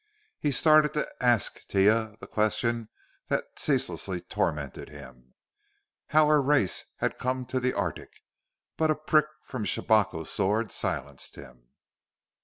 He started to ask Taia the question that ceaselessly tormented him how her race had come to the arctic; but a prick from Shabako's sword silenced him.